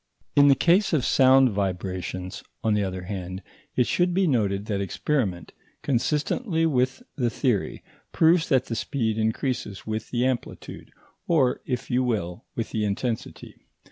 In the case of sound vibrations, on the other hand, it should be noted that experiment, consistently with the theory, proves that the speed increases with the amplitude, or, if you will, with the intensity.